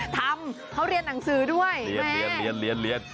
ทำเขาเรียนหนังสือด้วยเรียน